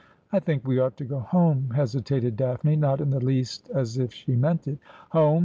' I think we ought to go home,' hesitated Daphne, not in the least as if she meant it. ' Home